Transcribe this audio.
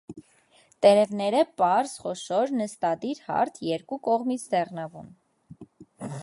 Տերևները՝ պարզ, խոշոր, նստադիր, հարթ, երկու կողմից դեղնավուն։